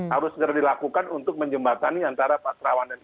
harus segera dilakukan untuk menjembatani antara pak terawan dan